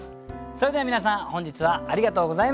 それでは皆さん本日はありがとうございました。